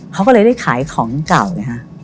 เขาก็เลยได้ขายของเก่าไงฮะ